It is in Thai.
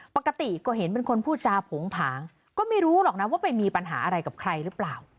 ปกติก็เห็นเป็นคนพูดจาโผงผางก็ไม่รู้หรอกนะว่าไปมีปัญหาอะไรกับใครหรือเปล่า